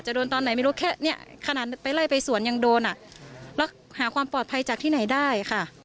จะโดนตอนไหนไม่รู้แค่แค่นี้ขนาดไปไร้ไปสวนยังโดนแล้วหาความปลอดภัยติไหนได้